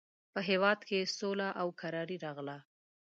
په هېواد کې سوله او کراري راغله.